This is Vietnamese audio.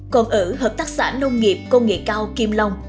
còn ở hợp tác xã nông nghiệp công nghệ cao kim long